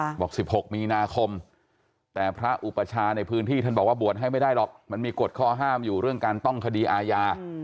บอกสิบหกมีนาคมแต่พระอุปชาในพื้นที่ท่านบอกว่าบวชให้ไม่ได้หรอกมันมีกฎข้อห้ามอยู่เรื่องการต้องคดีอาญา